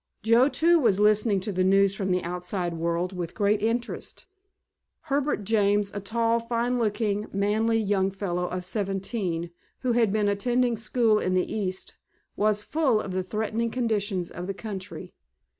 Joe, too, was listening to the news from the outside world with great interest. Herbert James, a tall, fine looking, manly young fellow of seventeen, who had been attending school in the East, was full of the threatening conditions of the country.